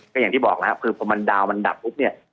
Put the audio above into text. ก็อย่างที่บอกแล้วครับคือพอมันดาวมันดับปุ๊บเนี่ย